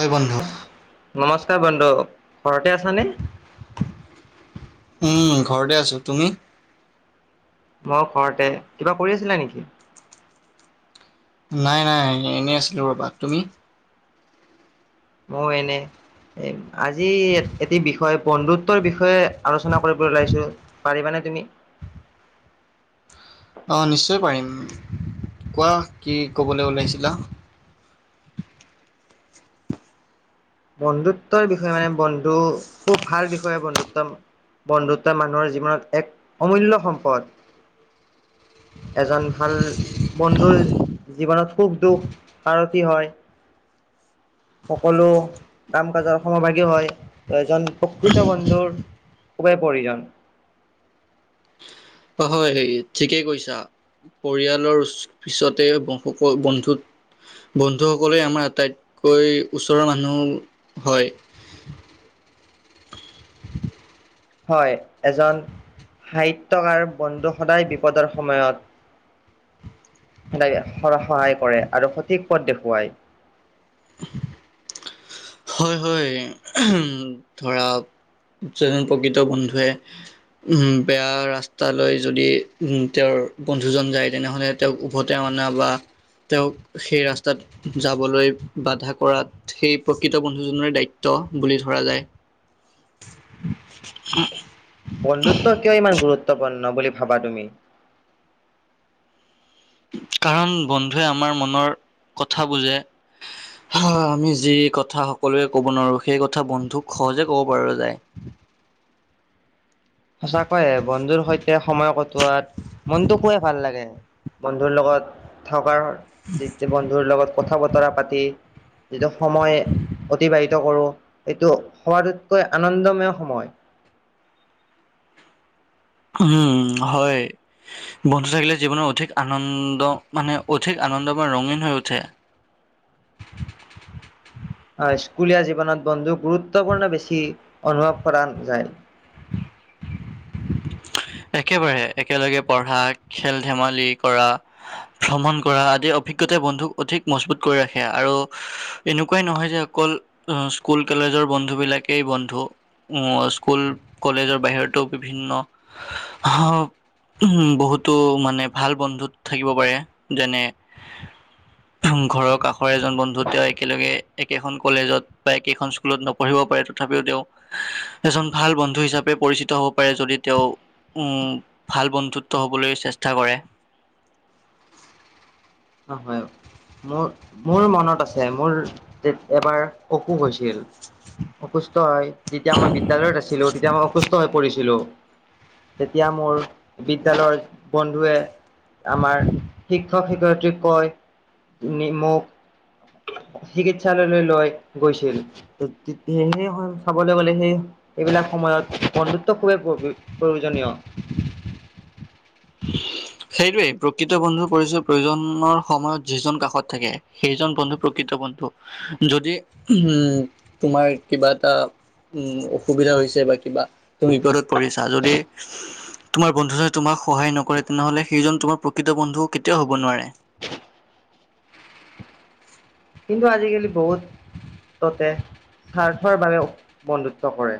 ঐ বন্ধু। নমস্কাৰ বন্ধু ঘৰতে আছা নে? উম ঘৰতে আছো তুমি। মই ঘৰতে কিবা কৰি আছিলা নেকি? নাই নাই এনেই আছিলো ৰবা তুমি। মই এনে আজি এটি বিষয়ে বন্ধুত্বৰ বিষয়ে আলোচনা কৰিবলৈ ওলাইছো পাৰিবানে তুমি? অ নিশ্চয় পাৰিম কোৱা কি ক'বলৈ ওলাইছিলা। বন্ধুত্বৰ বিষয়ে মানে বন্ধু খুব ভাল বিষয়ে বন্ধুত্ব বন্ধুত্ব মানুহৰ জীৱনত এক অমূল্য সম্পদ এজন ভাল বন্ধুৰ জীৱনত সুখ দুখ সাৰথি হয় সকলো। কাম কাজৰ সমভাগী হয় ত এজন প্ৰকৃত বন্ধুৰ খুবেই প্ৰয়োজন। অ হয়ে ঠিকেই কৈছা পৰিয়ালৰ পিছতে সকল বন্ধুত বন্ধু সকলে আমাৰ আটাইতকৈ ওচৰৰ মানুহ হয়। হয় এজন সাহিত্যৰ কাৰ বন্ধু সদায় বিপদৰ সময়ত সদায় সহায় কৰে আৰু সঠিক পথ দেখুৱায় হয় হয় উম ধৰা এজন প্ৰকৃত বন্ধুৱে উম বেয়া ৰাস্তালৈ যদি উ তেওঁৰ বন্ধুজন যায় তেনেহলে তেওঁক উভতে অনা বা তেওঁক সেই ৰাস্তাত যাবলৈ বাধা কৰাত সেই কৃত বন্ধুজনৰ দায়িত্ব বুলি ধৰা যায় বন্ধুত্ব কিয় ইমান গুৰুত্বপূৰ্ণ বুলি ভাবা তুমি? কাৰণ বন্ধুৱে আমাৰ মনৰ কথা বুজে আমি যি কথা সকলোৱে ক'ব নোৱাৰো সেই কথা বন্ধুক সহজে কব পাৰ যায়। সঁচাকৈয়ে বন্ধুৰ সৈতে সময় কটোৱাত মনটো খুবেই ভাল লাগে। বন্ধুৰ লগত থকাৰ যেতিয়া বন্ধুৰ লগত কথা বতৰা পাতি যেতিয়া সময় অতিবাহিত কৰোঁ এইটো সোৱাততকৈ আনন্দময় সময় উম হয় বন্ধু থাকিলে জীৱনৰ অধিক আনন্দ মানে অধিক আনন্দ বা ৰঙীন হৈ উঠে অ স্কুলীয়া জীৱনত বন্ধুক গুৰুত্বপূৰ্ণ বেছি অনুভৱ কৰা যায়। [unintelligible] একেবাৰে একেলগে পঢ়া খেল ধেমালি কৰা ভ্ৰমণ কৰা আদি অভিজ্ঞতাই বন্ধুক অধিক মজবুত কৰি ৰাখে আৰু এনেকুৱাই নহয় যে অকল স্কুল কলেজৰ বন্ধু বিলাকেই বন্ধু আহ স্কুল কলেজৰ বাহিৰতো বিভিন্ন উ বহুতো মানে ভাল বন্ধুত থাকিব পাৰে। যেনে ঘৰৰ কাষৰ এজন বন্ধুত তেওঁ একেলগে একেখন কলেজত বা একেখন স্কুলত নপঢ়িব পাৰে তথাপিও তেওঁ এজন ভাল বন্ধু হিচাপে পৰিচিত হ'ব। পাৰে যদি তেওঁ উ ভাল বন্ধুত্ব হ'বলৈ চেষ্টা কৰে। অ হয় মোৰ মোৰ মনত আছে মোৰ এবাৰ অসুখ হৈছিল অসুস্থ হৈ যেতিয়া মই বিদ্যালয়ত আছিলো তেতিয়া মই অসুস্থ হৈ পৰিছিলো। তেতিয়া মোৰ বিদ্যালয়ৰ বন্ধুৱে আমাৰ শিক্ষক শিক্ষয়িত্ৰী কৈ নি মোক চিকিৎসালয়লৈ লৈ গৈছিল স সেই চাবলৈ গ'লে সেই এইবিলাক সময়ত বন্ধুত্ব খুবেই প্ৰ প্ৰয়োজনীয় সেইটোৱেই প্ৰকৃত বন্ধুৰ পৰিচয় প্ৰয়োজনৰ সময়ত যিজন কাষত থাকে সেইজন বন্ধু প্ৰকৃত বন্ধু যদি উম তোমাৰ কিবা এটা উম অসুবিধা হৈছে বা কিবা তুমি বিপদত পৰিছা যদি তোমাৰ বন্ধুজনে তোমাক সহায় নকৰে তেনেহলে সেইজন তোমাৰ প্ৰকৃত বন্ধু কেতিয়াও হ'ব নোৱাৰে। কিন্তু আজিকালি বহুত ততে স্বাৰ্থৰ বাবে বন্ধুত্ব কৰে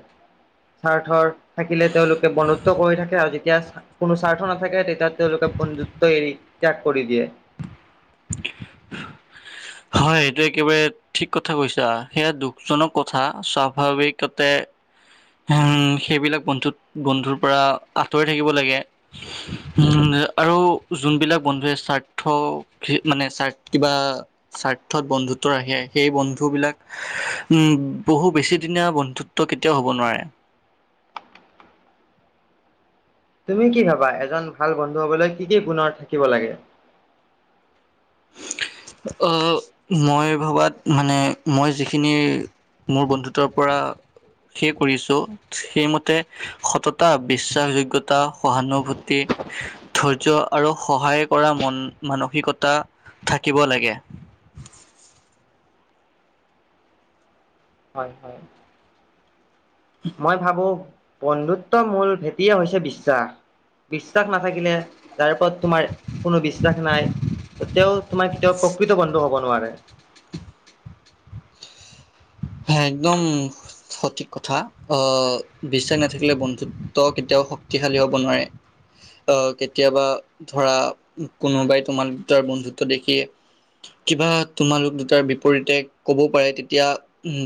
স্বাৰ্থৰ থাকিলে তেওঁলোকে বন্ধুত্ব কৰি থাকে আৰু যি যেতিয়া কোনো স্বাৰ্থ নাথাকে তেতিয়া তেওঁলোকে বন্ধুত্ব এৰি ত্যাগ কৰি দিয়ে। [unintelligible] হয় এইটো একেবাৰে ঠিক কথা কৈছা সেয়া দুখজনক কথা স্বাভাৱিকতে হ সেইবিলাক বন্ধুত বন্ধুৰ পৰা আঁতৰি থাকিব লাগে উ আৰু যোনবিলাক বন্ধুৱে স্বাৰ্থ মানে সাৰ্থ কিবা স্বাৰ্থত বন্ধুত্ব ৰাখে সেই বন্ধুবিলাক উম বহু বেছিদিনীয়া বন্ধুত্ব কেতিয়াও হব নোৱাৰে্ তুমি কি ভাবা এজন ভাল বন্ধু হবলৈ কি কি গুনৰ থাকিব লাগে? আহ মই ভবাত মানে মই যিখিনি মোৰ বন্ধুত্বৰ পৰা শে কৰিছো সেইমতে সততা, বিশ্বাসযোগ্যয়তা, সহানুভূতি, ধৈৰ্য আৰু সহায় কৰা মন মানসিকতা থাকিব লাগে হয় হয় মই ভাবো বন্ধুত্বৰ মূল ভেটিয়ে হৈছে বিশ্বাস বিশ্বাস নাথাকিলে তাৰ ওপৰত তোমাৰ কোনো বিশ্বাস নাই তেওঁ তোমাৰ কেতিয়াও প্ৰকৃত বন্ধু হব নোৱাৰে। হে একদম সঠিক কথা আহ বিশ্বাস নাথাকিলে বন্ধুত্ব কেতিয়াও শক্তিশালী হব নোৱাৰে আহ কেতিয়াবা ধৰা কোনোবাই তোমালোক দুটাৰ বন্ধুত্ব দেখিয় কিবা তোমালোক দুটাৰ বিপৰীতে কব পাৰে তেতিয়া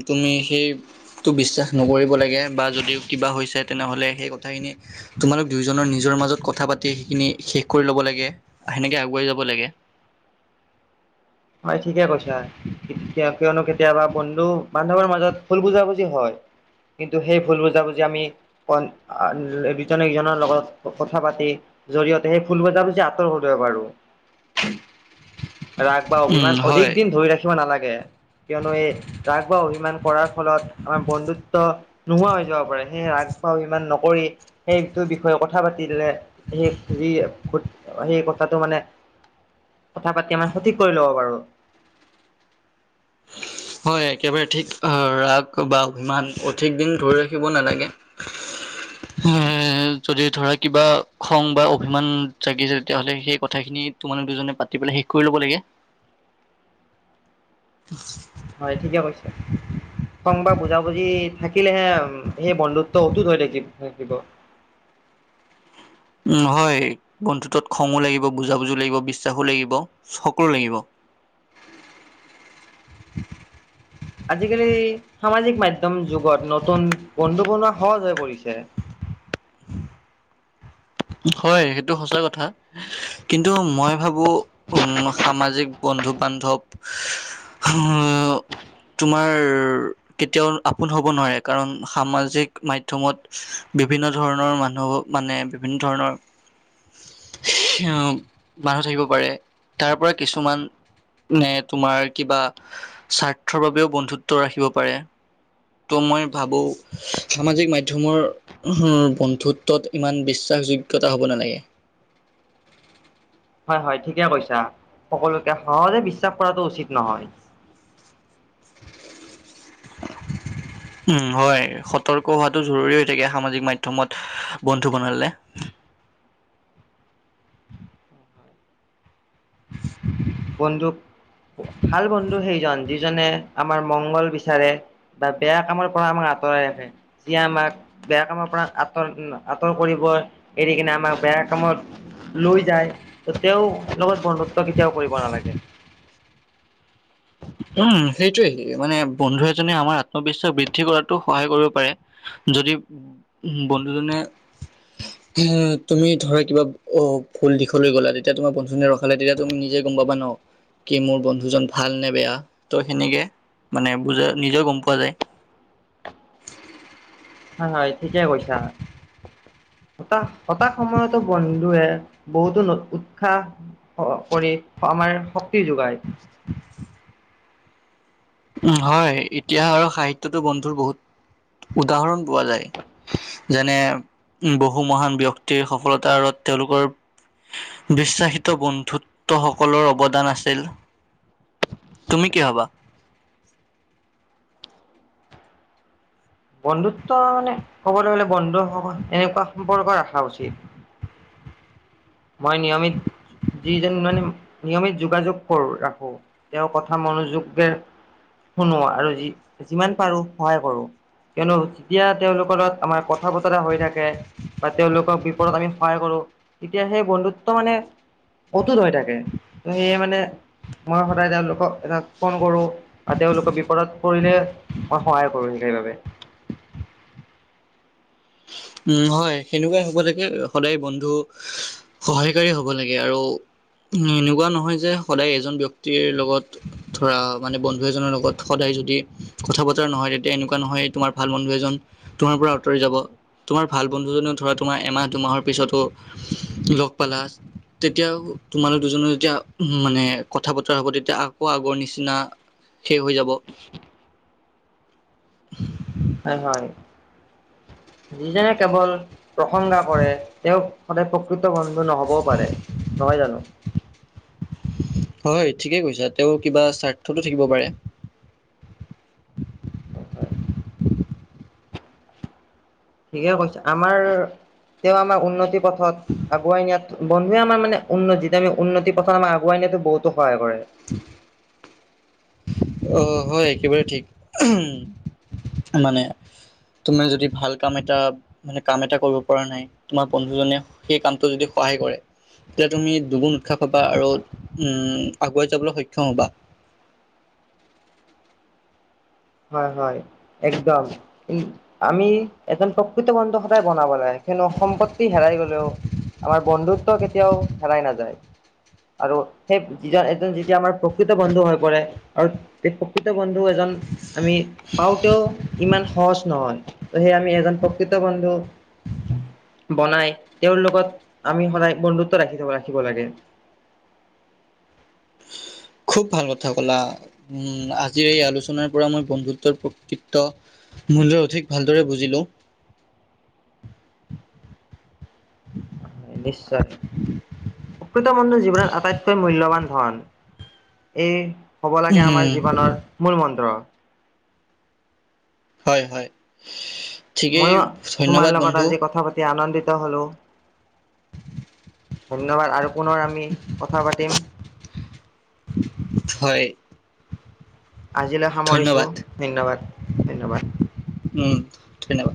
তুমি সেইটো বিশ্বাস নকৰিব লাগে বা যদি কিবা হৈছে তেনেহ'লে সেই কথাখিনি তোমালোক দুয়োজনৰ নিজৰ মাজত কথা পাতি সেইখিনি শেষ কৰি ল'ব লাগে সেনেকে আগুৱাই যাব লাগে। হয় ঠিকে কৈছা। কিয়নো কেতিয়াবা বন্ধু বান্ধৱৰ মাজত ভুল বুজাবুজি হয়। কিন্তু সেই ভুল বুজাবুজি আমি দুজনে ইজনৰ লগত কথা পাতি জৰিয়তে সেই ভুল বুজাবুজি আঁতৰ কৰিব পাৰো। ৰা বা উম অভিমান অধিক হয় দিন ধৰি ৰাখিব নালাগে। কিয়নো এই ৰাগ বা অভিমান কৰাৰ ফলত আমাৰ বন্ধুত্ব নোহোৱা হৈ যাব পাৰে সেয়ে ৰাগ বা অভিমান নকৰি সেইটো বিষয়ে কথা পাতিলে সেই যি সেই কথাটো মানে কথা পাতি আমাৰ সঠিক কৰি লব পাৰু। হয় একেবাৰে ঠিক আহ ৰাগ বা অভিমান অধিক দিন ধৰি ৰাখিব নালাগে এ যদি ধৰা কিবা খং বা অভিমান জাগিছে তেতিয়াহলে সেই কথাখিনি তোমালোক দুজনে পাতি পেলাই শেষ কৰি লব লাগে। হয় ঠিকে কৈছে খং বা বুজাবুজি থাকিলেহে উ সেই বন্ধুত্ব অটুত হৈ থাকিব থাকিব। উম হয় বন্ধুতত খঙো লাগিব বুজাবুজিও লাগিব বিশ্বাসো লাগিব সকলো লাগিব আজিকালি সামাজিক মাধ্যম যুগত নতুন বন্ধু বনোৱা সহজ হৈ পৰিছে। হয় সেইটো সঁচা কথা কিন্তু মই ভাবো উম সামাজিক বন্ধু বান্ধৱ তোমাৰ কেতিয়াও আপোন হ'ব নোৱাৰে কাৰণ সামাজিক মাধ্যমত বিভিন্ন ধৰণৰ মানুহ মানে বিভিন্ন ধৰণৰ মানুহ থাকিব পাৰে তাৰ পৰা কিছুমানে তোমাৰ কিবা স্বাৰ্থৰ বাবেও বন্ধুত্ব ৰাখিব পাৰে ত' মই ভাবো সামাজিক মাধ্যমৰ বন্ধুত্বত ইমান বিশ বিশ্বাস যোগ্যতা হ'ব নালাগে। হয় ঠিকে কৈছা সকলোকে সহজে বিশ্বাস কৰাটো উচিত নহয়। উম হয় সতৰ্ক হোৱাটো জৰুৰী হৈ থাকে সামাজিক মাধ্যমত বন্ধু বনালে। বন্ধু ভাল বন্ধু সেইজন যিজনে আমাৰ মংগল বিচাৰে বা বেয়া কামৰ পৰা আমাক আঁতৰাই ৰাখে যিয়ে আমাক বেয়া কামৰ পৰা আঁতৰ আঁতৰ কৰিব এৰি কিনে আমাক বেয়া কামত লৈ যায় তেওঁ লগত বন্ধুত্ব কেতিয়াও কৰিব তাকে উম সেইটোৱে মানে বন্ধু এজনে আমাৰ আত্মবিশ্বাস বৃদ্ধি কৰাতো সহায় কৰিব পাৰে। যদি বন্ধুজনে তুমি ধৰা কিবা অ ভুল দিশলৈ গলা তেতিয়া তোমাৰ বন্ধুজনে ৰখালে তেতিয়া তুমি নিজে গম পাবা ন কি মোৰ বন্ধুজন ভাল নে বেয়া। ত' সেনেকে মানে বুজা নিজেও গম পোৱা যায়। হয় হয় ঠিকে কৈছা হতাশ হতাশ সময়তো বন্ধুৱে বহুতো উৎসাহ কৰি আমাৰ শক্তি যোগায়। হয় এতিয়া আৰু সাহিত্যতো বন্ধুৰ বহুত উদাহৰণ পোৱা যায় যেনে বহু মহান ব্যক্তিৰ সফলতাৰ আঁৰত তেওঁলোকৰ বিশ্বাসিত বন্ধুত্ব সকলৰ অৱদান আছিল। তুমি কি ভাবা? [inaudible] বন্ধুত্ব মানে কবলৈ গ'লে বন্ধুসকল এনেকুৱা সম্পৰ্ক ৰাখা উচিত মই নিয়মিত যিজন মানে নিয়মিত যোগাযোগ কৰো ৰাখো তেওঁৰ কথা মনোযোগে শুনো আৰু যি যিমান পাৰো সহায় কৰো কিয়নো যেতিয়া তেওঁলোকৰ লগত আমাৰ কথা বতৰা হৈ থাকে বা তেওঁলোকক বিপত আমি সহায় কৰো। তেতিয়াহে সেই বন্ধুত্ব মানে অটুত হৈ থাকে ত' সেয়ে মানে মই সদায় তেওঁলোকক এটা ফোন কৰোঁ। আৰু তেওঁলোকে বিপদত পৰিলে। মই সহায় কৰো সেইবাবে উম হয় সেনেকুৱাই হব লাগে সদায় বন্ধু সহায়কাৰী হব লাগে আৰু উ এনেকুৱা নহয় যে সদায় এজন ব্যক্তিৰ লগত ধৰা মানে বন্ধু এজনৰ লগত সদায় যদি কথা বতৰা নহয় তেতিয়া এনেকুৱা নহয় তোমাৰ ভাল বন্ধু এজন তোমাৰ পৰা আঁতৰি যাব। তোমাৰ ভাল বন্ধু জনেও ধৰা তোমাৰ এমাহ দুমাহৰ পিছতো লগ পালা তেতিয়াও তোমালোক দুজনে যেতিয়া মানে কথা বতৰা হব তেতিয়া আকৌ আগৰ নিচিনা শেষ হৈ যাব। [inaudible] [inaudible] হয় হয় যিজনে কেৱল প্ৰসংসা কৰে তেওঁ সদায় প্ৰকৃত প্ৰকৃত বন্ধু নহবও পাৰে, নহয় জানো? হয় ঠিকেই কৈছা তেওঁ কিবা স্বাৰ্থতো থাকিব পাৰে। হয় হয় ঠিকে কৈছে আমাৰ তেওঁ আমাৰ উন্নতি পথত আগুৱাই নিয়াত বন্ধুৱে আমাৰ মানে উন্নতি আমি উন্নতিৰ পথত আমাৰ আগুৱাই নিয়াতো বহুতো সহায় কৰে। অ' হয়! একেবাৰে ঠিক। মানে, তোমাৰ যদি ভাল কাম এটা মানে কাম এটা কৰিব পৰা নাই, তোমাৰ বন্ধুজনে সেই কামটো যদি সহায় কৰে। তেতিয়া তুমি দুগুণ উৎসাহ পাবা আৰু উম, আগুৱাই যাবলৈ সক্ষম হ'বা। হয়, হয়, একদম। আমি এজন প্ৰকৃত বন্ধু সদায় বনাব লাগে। কেনো সম্পত্তি হেৰাই গ'লেও আমাৰ বন্ধুত্ব কেতিয়াও হেৰাই নাযায়। আৰু সেই, যিজন এজন যেতিয়া আমাৰ প্ৰকৃত বন্ধু হৈ পৰে আৰু সেই প্ৰকৃত বন্ধু এজন আমি পাওঁতেও ইমান সহজ নহয়। ত' সে আমি এজন প্ৰকৃত বন্ধু বনাই, তেওঁৰ লগত আমি সদায় বন্ধুত্ব ৰাখি ৰাখিব লাগে। খুব ভাল কথা ক'লা। উম, আজিৰ এই আলোচনাৰ পৰা মই বন্ধুত্বৰ প্ৰকৃত্ব মূল্য অধিক ভালদৰে বুজিলোঁ। নিশ্চয়, প্ৰকৃত বন্ধুৰ জীৱনত আটাইতকৈ মূল্যৱান। ধন। এই হ'ব লাগে, আমাৰ উম জীৱনৰ মূল মন্ত্ৰ। হয় হয়। ঠিকেই ময়ো, তোমাৰ ধন্যবাদ লগত বন্ধু আজি কথা পাতি আনন্দিত ত হলোঁ। ধন্যবাদ আৰু পুনৰ আমি কথা পাতিম। হয়। আজিলৈ সামৰিছোঁ। ধন্যবাদ ধন্যবাদ, ধন্যবাদ। উম ধন্যবাদ